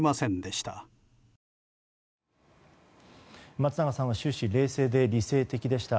松永さんは終始冷静で理性的でした。